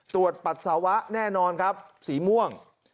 ปัสสาวะแน่นอนครับสีม่วง